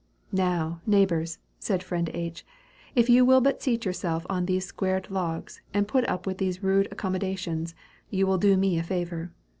"Now, neighbors," said friend H., "if you will but seat yourselves on these squared logs, and put up with these rude accommodations, you will do me a favor.